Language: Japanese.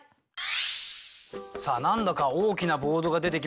さあ何だか大きなボードが出てきましたね。